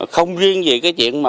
không riêng gì cái chuyện này